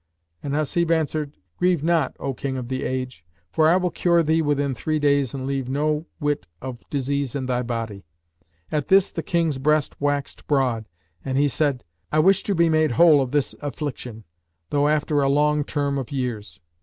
and Hasib answered "Grieve not, O King of the age; for I will cure thee within three days and leave no whit of disease in thy body." At this the King's breast waxed broad and he said, "I wish to be made whole of this affliction, though after a long term of years."